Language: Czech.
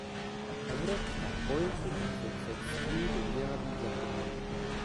Evropská politika sousedství by měla být zachována.